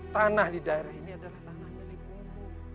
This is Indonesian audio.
tanah di daerah ini adalah tanah milik umur